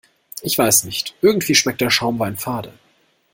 Ich weiß nicht, irgendwie schmeckt der Schaumwein fade.